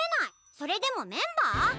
それでもメンバー？